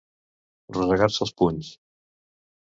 Rosegar-se els punys.